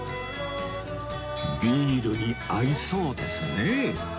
ビールに合いそうですね